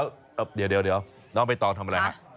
แล้วเดี๋ยวน้องเบตรองทำอะไรฮะ